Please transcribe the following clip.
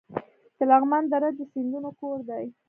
د لغمان دره د سیندونو کور دی